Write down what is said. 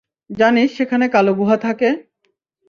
জানিস সেখানে কালো গুহা থাকে!